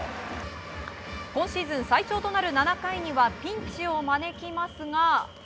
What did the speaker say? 今シーズン最長となる７回にはピンチを招きますが。